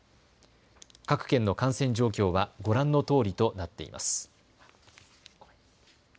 各県の感染状況はご覧のとおりとなっています。